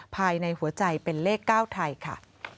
ภายในหัวใจเป็นเลข๙ไทยค่ะ